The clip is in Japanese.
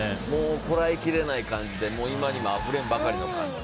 こらえきれない感じで今にもあふれんばかりの感じで。